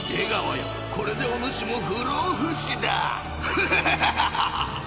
［フハハハ］